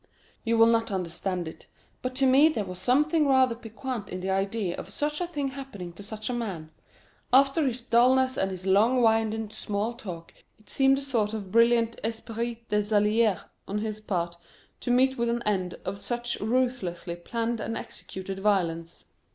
You will not understand it, but to me there was something rather piquant in the idea of such a thing happening to such a man; after his dullness and his long winded small talk it seemed a sort of brilliant esprit d'esalier on his part to meet with an end of such ruthlessly planned and executed violence."